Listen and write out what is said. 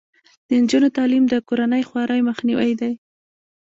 د نجونو تعلیم د کورنۍ خوارۍ مخنیوی دی.